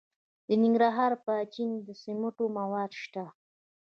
د ننګرهار په اچین کې د سمنټو مواد شته.